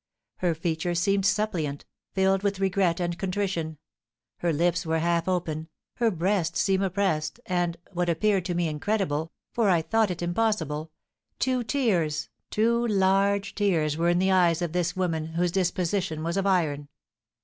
Her features seemed suppliant, filled with regret and contrition; her lips were half open, her breast seemed oppressed, and what appeared to me incredible, for I thought it impossible two tears, two large tears, were in the eyes of this woman, whose disposition was of iron!